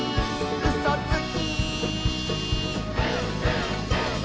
「うそつき！」